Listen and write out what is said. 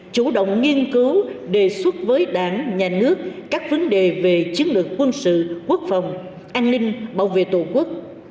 chủ động nghiên cứu đề xuất với đảng nhà nước các vấn đề về chiến lược quân sự quốc phòng an ninh bảo vệ tổ quốc